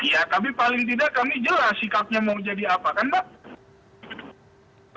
ya tapi paling tidak kami jelas sikapnya mau jadi apa kan mbak